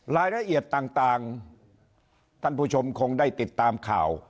รายละเอียดต่างท่านผู้ชมคงได้ติดตามข่าว